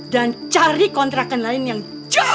dan cari kontrakan lain yang jauh lebih baik